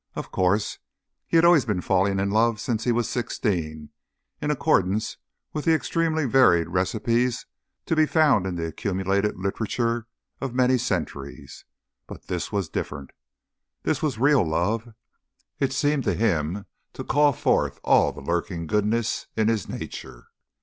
Of course, he had always been falling in love since he was sixteen, in accordance with the extremely varied recipes to be found in the accumulated literature of many centuries. But this was different. This was real love. It seemed to him to call forth all the lurking goodness in his nature.